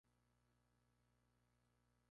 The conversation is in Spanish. Es una verdura oriunda del Extremo Oriente.